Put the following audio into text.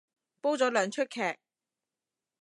煲咗兩齣劇